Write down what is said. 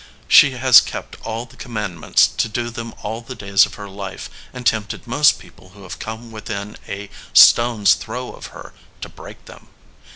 She has kept all the Commandments to do them all the days of her life and tempted most people who have come within a stone s throw of her to break them.